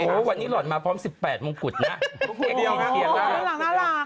โอ้ววันนี้หล่อนมาพร้อม๑๘มงกุฎนะ